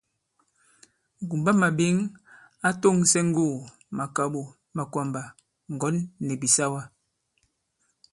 Ŋ̀kumbamàɓěŋ a tòŋsɛ ŋgugù, màkàɓò, makwàmbà, ŋgɔ̌n nì bìsawa.